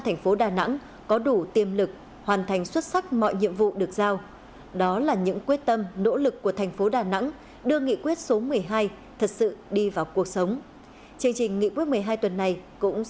thành phố đà nẵng đã tạo được sự đồng thuận của cả hệ thống chính trị chủ động tích cực trong công tác phố về triển khai thực hiện nghị quyết một mươi hai của đảng ủy công an